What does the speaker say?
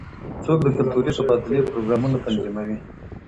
څوک د کلتوري تبادلې پروګرامونه تنظیموي؟